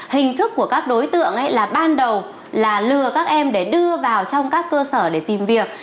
hình thức của các đối tượng là ban đầu là lừa các em để đưa vào trong các cơ sở để tìm việc